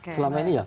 selama ini ya